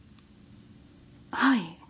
はい。